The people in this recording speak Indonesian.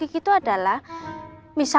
ini kalau aa